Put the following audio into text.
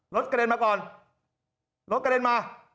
กระเด็นมาก่อนรถกระเด็นมา